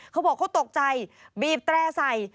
เขาบอกเขาตกใจบีบแตร่ใส่